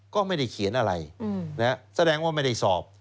ก็ไม่ได้เขียนอะไรแสดงว่าไม่ได้สอบ